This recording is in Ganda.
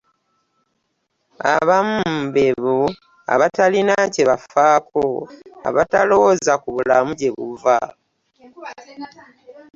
Abamu be bo abatalina kye bafaako abatalowooza ku bulamu gye buva.